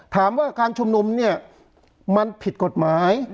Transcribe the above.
ถามว่าการชุมนุมเนี่ยมันผิดกฎหมาย